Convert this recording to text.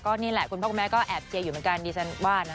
นี่แหละคุณพ่อคุณแม่ก็แอบเชียร์อยู่เหมือนกันดิฉันว่านะ